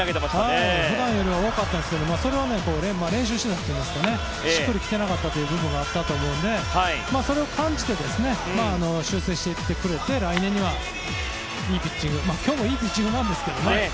普段より多かったんですがそれは、練習していたというかしっくり来ていなかった部分もあったと思うのでそれを感じて修正していってくれて来年には、いいピッチング今日もいいピッチングなんですけどね。